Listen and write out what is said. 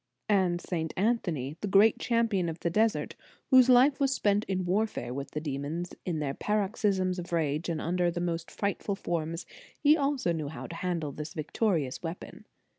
* And St. Anthony, the great champion of the desert, whose life was spent in warfare with the demons, in their paroxysms of rage and under the most frightful forms, he also <> knew how to handle this victorious weapon.